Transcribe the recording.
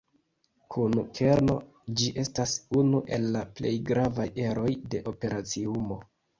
Kun kerno, ĝi estas unu el la plej gravaj eroj de operaciumo.